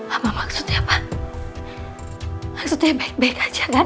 apa maksudnya pak maksudnya baik baik aja kan